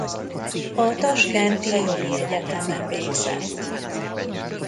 A taskenti jogi egyetemen végzett.